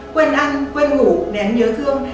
quên ăn quên ngủ nén nhớ thương